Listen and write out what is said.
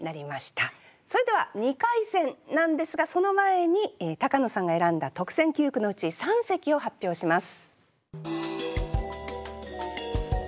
それでは２回戦なんですがその前に高野さんが選んだ特選九句のうち三席を発表します。